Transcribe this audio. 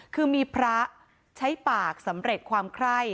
คือมีพระใช้ปากสำเร็จความไคร้